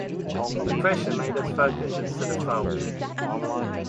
The pressure made us focus instead of fold.